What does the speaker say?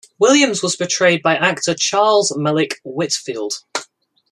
Williams was portrayed by actor Charles Malik Whitfield.